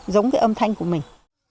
giống cái âm thanh của mình